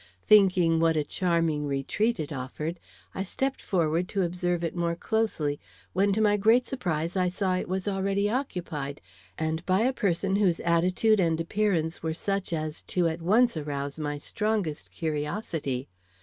Thinking what a charming retreat it offered, I stepped forward to observe it more closely, when to my great surprise I saw it was already occupied, and by a person whose attitude and appearance were such as to at once arouse my strongest curiosity.